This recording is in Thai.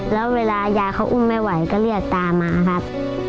แล้วเวลายาเขาอุ้มไม่ไหวก็เรียกตามาครับ